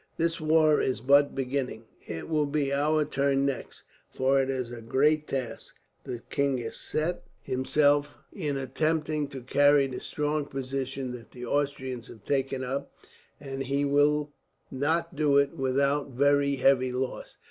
"This war is but beginning. It will be our turn, next time. For it is a great task the king has set himself, in attempting to carry the strong position that the Austrians have taken up; and he will not do it without very heavy loss.